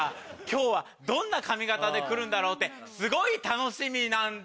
今日はどんな髪形で来るんだろう？ってすごい楽しみなん。